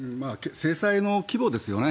制裁の規模ですよね。